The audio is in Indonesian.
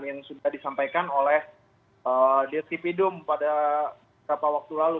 yang sudah disampaikan oleh dirtipidum pada beberapa waktu lalu